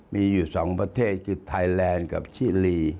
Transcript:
มีอยู่๒ประเทศคือไทยแลนด์กับชิลี